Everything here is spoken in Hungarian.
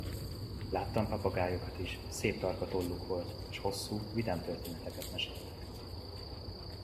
Láttam papagájokat is, szép tarka tolluk volt, és hosszú, vidám történeteket meséltek.